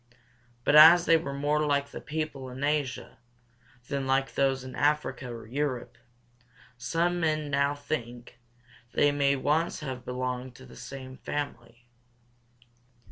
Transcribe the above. But as they were more like the people in Asia than like those in Africa or Europe, some men now think they may once have belonged to the same family.